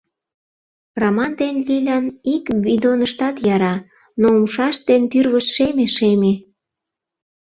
Раман ден Лилян ик бидоныштат яра, но умшашт ден тӱрвышт шеме-шеме.